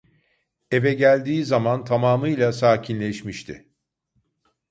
Eve geldiği zaman tamamıyla sakinleşmişti.